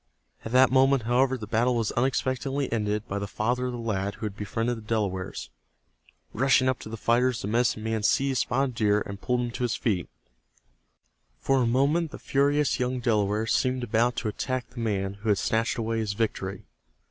At that moment, however, the battle was unexpectedly ended by the father of the lad who had befriended the Delawares. Rushing up to the fighters the medicine man seized Spotted Deer and pulled him to his feet. For a moment the furious young Delaware seemed about to attack the man who had snatched away his victory.